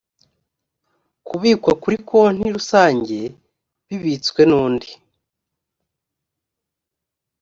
kubikwa kuri konti rusange bibitswe n undi